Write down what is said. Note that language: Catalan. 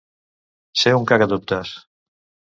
Ser un cagadubtes.